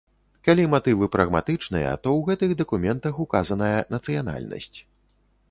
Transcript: Калі матывы прагматычныя, то ў гэтых дакументах указаная нацыянальнасць.